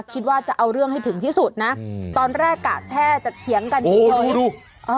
คิดว่าจะเอาเรื่องให้ถึงที่สุดนะตอนแรกกะแทบจะเถียงกันเฉย